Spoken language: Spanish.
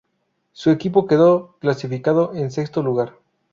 Su equipo quedó clasificado en sexto lugar.